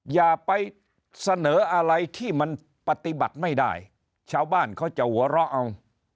อย่าไปเสนออะไรที่มันปฏิบัติไม่ได้ชาวบ้านเขาจะหัวเราะเอา